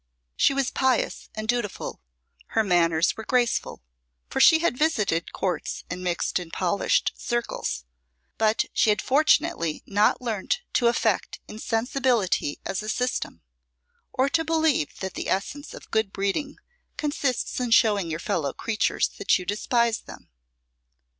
She was pious and dutiful: her manners were graceful, for she had visited courts and mixed in polished circles, but she had fortunately not learnt to affect insensibility as a system, or to believe that the essence of good breeding consists in showing your fellow creatures that you despise them.